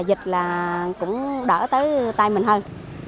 dịch là cũng đỡ tới tay mình hơn